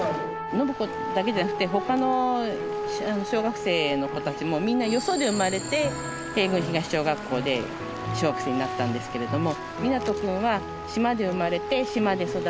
洵子だけじゃなくて他の小学生の子たちもみんなよそで生まれて平郡東小学校で小学生になったんですけれども。